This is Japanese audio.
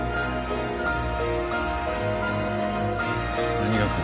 何が来る？